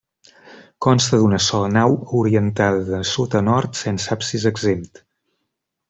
Consta d'una sola nau, orientada de sud a nord, sense absis exempt.